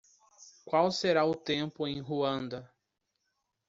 Qual será o tempo em Ruanda?